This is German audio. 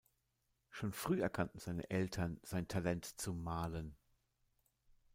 Schon früh erkannten seine Eltern sein Talent zum Malen.